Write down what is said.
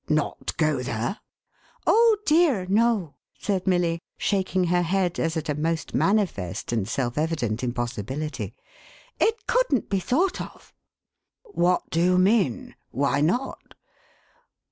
" Not go there ?" "Oh dear, no!" said Milly, shaking her head as at a most manifest and self evident impossibility. " It couldn't be thought of I" " What do you mean ? Why not